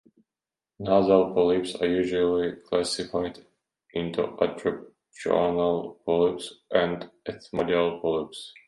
Nasal polyps are usually classified into "antrochoanal" polyps and "ethmoidal" polyps.